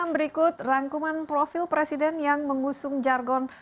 berikut rangkuman profil presiden yang mengusung jargon